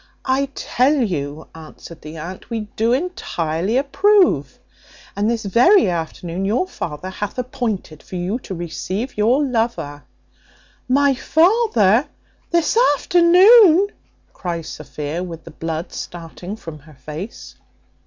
"I tell you," answered the aunt, "we do entirely approve; and this very afternoon your father hath appointed for you to receive your lover." "My father, this afternoon!" cries Sophia, with the blood starting from her face.